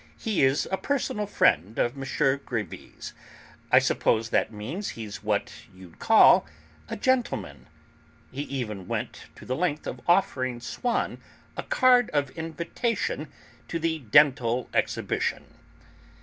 He is a personal friend of M. Grévy's. I suppose that means he's what you'd call a 'gentleman'?" He even went to the length of offering Swann a card of invitation to the Dental Exhibition.